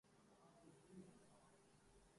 ہوا کو لاگ بھی ہے کچھ مگر حباب کے ساتھ